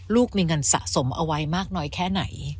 ลูกมีเงินสะสมเอาไว้มากน้อยแค่ไหน